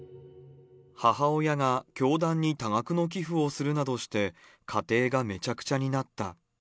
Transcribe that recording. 母親が教団に多額の寄付をするなどして、家庭がめちゃくちゃになった。